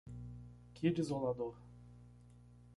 Que desolador